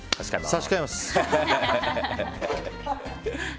差し替えます！